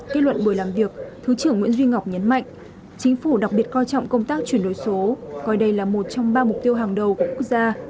kết luận buổi làm việc thứ trưởng nguyễn duy ngọc nhấn mạnh chính phủ đặc biệt coi trọng công tác chuyển đổi số coi đây là một trong ba mục tiêu hàng đầu của quốc gia